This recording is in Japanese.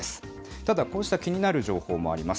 ただ、こうした気になる情報もあります。